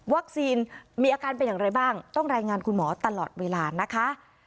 มีอาการเป็นอย่างไรบ้างต้องรายงานคุณหมอตลอดเวลานะคะ